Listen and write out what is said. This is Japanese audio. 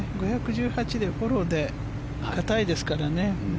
５１８でフォローで硬いですからね。